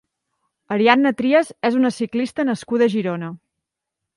Ariadna Trias és una ciclista nascuda a Girona.